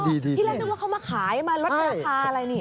ที่แรกนึกว่าเขามาขายมาลดราคาอะไรนี่